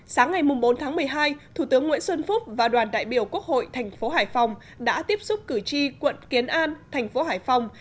sáng ngày bốn tháng một mươi hai thủ tướng nguyễn xuân phúc và đoàn đại biểu quốc hội tp hải phòng đã tiếp xúc cử tri quận kiến an tp hải phòng